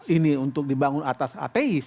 ini untuk dibangun atas ateis